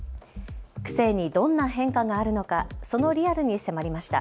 区政にどんな変化があるのかそのリアルに迫りました。